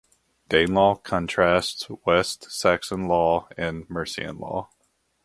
Danelaw contrasts West Saxon law and Mercian law.